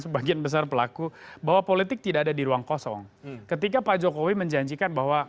sebagian besar pelaku bahwa politik tidak ada di ruang kosong ketika pak jokowi menjanjikan bahwa